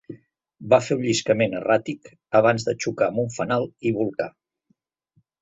Va fer un lliscament erràtic abans de xocar amb un fanal i bolcar.